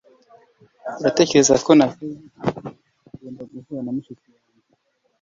uratekereza ko nasaze? ugomba guhura na mushiki wanjye